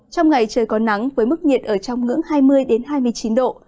trong ngày trời có nắng với mức nhiệt ở trong ngưỡng hai mươi hai mươi chín độ